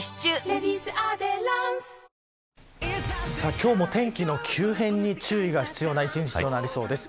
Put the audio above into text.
今日も天気の急変に注意が必要な一日になりそうです。